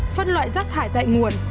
phân loại rác thải tại nguồn